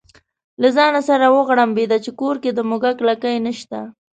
له ځانه سره وغړمبېده چې کور کې د موږک لکۍ نشته.